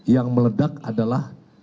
yang meledak adalah